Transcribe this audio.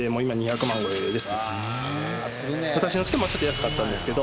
私の時はもうちょっと安かったんですけど。